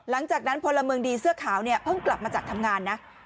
พลเมืองดีเสื้อขาวเนี่ยเพิ่งกลับมาจากทำงานนะ